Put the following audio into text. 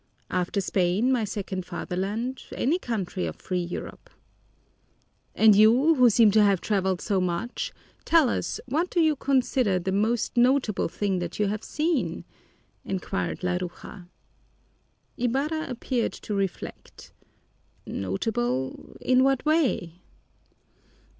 "After Spain, my second fatherland, any country of free Europe." "And you who seem to have traveled so much, tell us what do you consider the most notable thing that you have seen?" inquired Laruja. Ibarra appeared to reflect. "Notable in what way?"